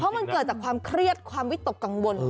มันเกิดจากความเครียดความวิตกกังวล